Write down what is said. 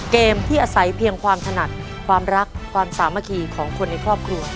เกมที่อาศัยเพียงความถนัดความรักความสามัคคีของคนในครอบครัว